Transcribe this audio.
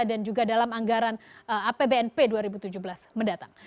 dan juga dalam anggaran pbnp dua ribu tujuh belas mendatang